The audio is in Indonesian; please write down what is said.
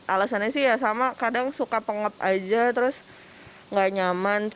alasannya sih ya sama kadang suka pengep aja terus nggak nyaman